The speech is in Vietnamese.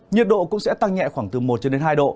nhiệt độ cũng sẽ tăng nhẹ khoảng từ một cho đến hai độ